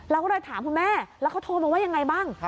เราก็เลยถามคุณแม่แล้วเขาโทรมาว่ายังไงบ้าง